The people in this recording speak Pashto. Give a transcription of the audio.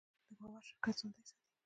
دا باور شرکت ژوندی ساتي.